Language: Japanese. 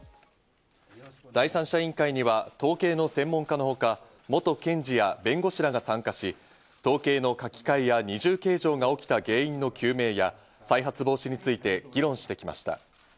第三者委員会には統計の専門家のほか、元検事や弁護士らが参加し、統計の書き換えや二重計上が起きた原因の究明や再発防止について議論してきました。